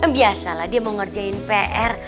biasalah dia mau ngerjain pr